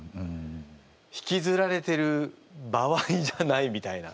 引きずられてる場合じゃないみたいな。